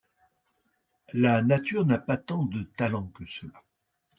La nature n’a pas tant de talent que cela.